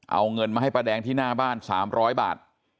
เอาเงินมาให้ป้าแดงที่หน้าบ้าน๓๐๐บาท